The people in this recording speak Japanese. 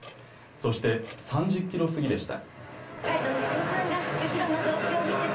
そして、３０キロ過ぎでした。